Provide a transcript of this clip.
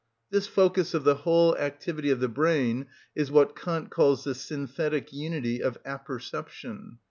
This focus of the whole activity of the brain is what Kant called the synthetic unity of apperception (_cf.